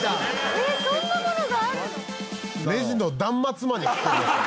えっそんなものがあるの？